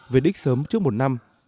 về đích sớm trước một năm